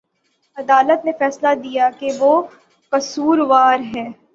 عدالت نے فیصلہ دیا کہ وہ قصوروار ہے